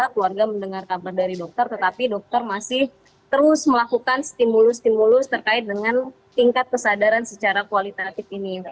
keluarga mendengar kabar dari dokter tetapi dokter masih terus melakukan stimulus stimulus terkait dengan tingkat kesadaran secara kualitatif ini